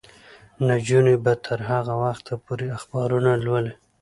نجونې به تر هغه وخته پورې اخبارونه لولي.